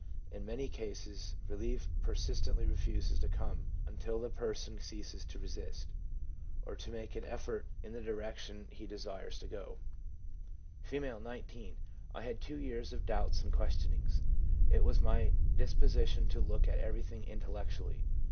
In many cases relief persistently refuses to come until the person ceases to resist or to make an effort in the direc j i 4 THE PSYCHOLOGY OF RELIGION tion he desires to go. R, 19. ' I had two years of doubts and questionings. It was my disposition to look at everything intellectually.